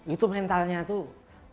itu mentalnya tuh